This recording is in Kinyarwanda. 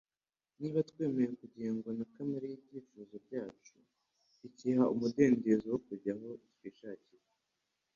Niba twemeye kugengwa na kamere y'ibyifuzo byacu, hikiha umudendezo wo kujya aho twishakiye